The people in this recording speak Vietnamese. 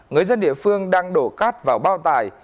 người dân địa phương đang đổ cắt vào bao tài